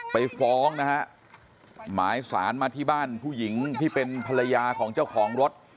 ไปฟ้องนะฮะหมายสารมาที่บ้านผู้หญิงที่เป็นภรรยาของเจ้าของรถ